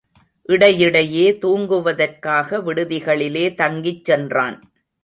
இடையிடையே தூங்குவதற்காக விடுதிகளிலே தங்கிச் சென்றான்.